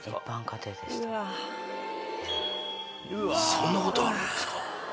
そんなことあるんですか？